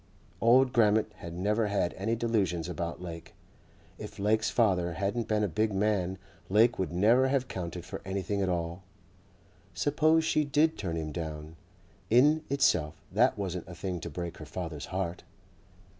... Old Grammont had never had any delusions about Lake. If Lake's father hadn't been a big man Lake would never have counted for anything at all. Suppose she did turn him down. In itself that wasn't a thing to break her father's heart.